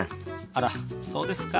あらっそうですか。